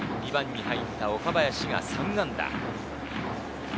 ２番に入った岡林が３安打。